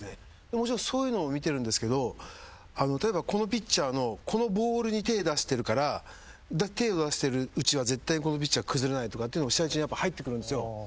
もちろんそういうのも見てるんですけど例えばこのピッチャーのこのボールに手出してるから手を出してるうちは絶対このピッチャー崩れないとかっていうのも試合中に入ってくるんですよ。